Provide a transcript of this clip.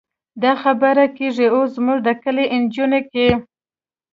دا خبرې کېږي اوس زموږ د کلي نجونو کې.